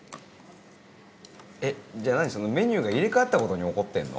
えっじゃあ何メニューが入れ替わったことに怒ってんの？